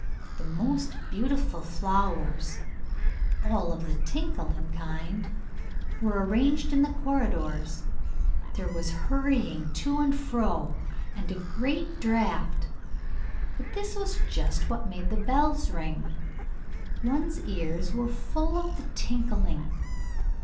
The most beautiful flowers, all of the tinkling kind, were arranged in the corridors; there was hurrying to and fro, and a great draught, but this was just what made the bells ring; one's ears were full of the tinkling.